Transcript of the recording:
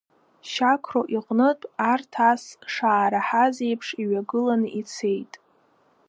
Шьақро иҟнытә, арҭ ас шаараҳаз еиԥш, иҩагыланы ицеит.